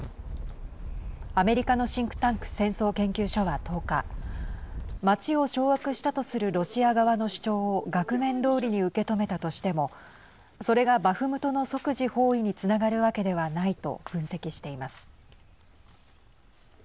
アメリカのシンクタンク戦争研究所は１０日町を掌握したとするロシア側の主張を額面どおりに受け止めたとしてもそれがバフムトの即時包囲につながるわけではないと分析しています。